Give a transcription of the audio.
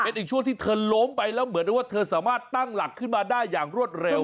เป็นอีกช่วงที่เธอล้มไปแล้วเหมือนได้ว่าเธอสามารถตั้งหลักขึ้นมาได้อย่างรวดเร็ว